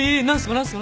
何すか？